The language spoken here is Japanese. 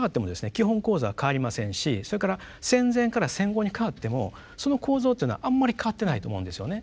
基本構造は変わりませんしそれから戦前から戦後に変わってもその構造というのはあんまり変わってないと思うんですよね。